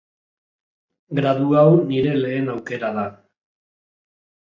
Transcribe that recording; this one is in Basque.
Gradu hau nire lehen aukera da.